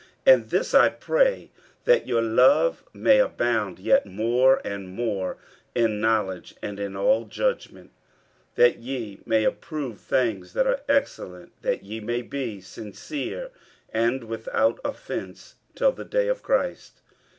50:001:009 And this I pray, that your love may abound yet more and more in knowledge and in all judgment; 50:001:010 That ye may approve things that are excellent; that ye may be sincere and without offence till the day of Christ.